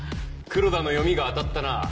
黒田の読みが当たったな。